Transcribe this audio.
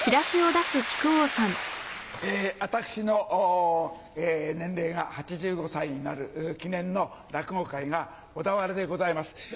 私の年齢が８５歳になる記念の落語会が小田原でございます。